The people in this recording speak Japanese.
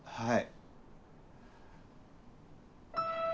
はい。